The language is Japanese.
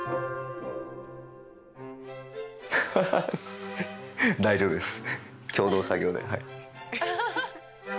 ハハハ大丈夫です。